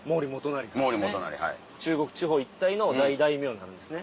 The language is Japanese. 中国地方一帯の大大名なんですね。